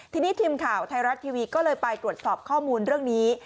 ทีนี้ทีมข่าวไทยรัฐทีวีก็เลยไปตรวจสอบข้อมูลเรื่องนี้